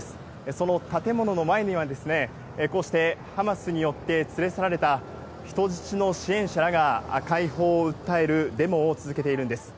その建物の前には、こうして、ハマスによって連れ去られた人質の支援者らが解放を訴えるデモを続けているんです。